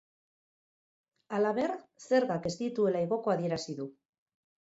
Halaber, zergak ez dituela igoko adierazi du.